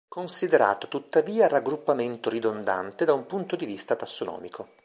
Considerato tuttavia raggruppamento ridondante da un punto di vita tassonomico.